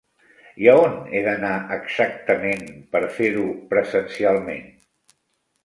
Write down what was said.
I a on he d'anar exactament, per fer-ho presencialment?